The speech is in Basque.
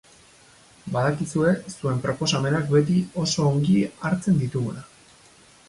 Badakizue zuen proposamenak beti oso ongi hartzen ditugula.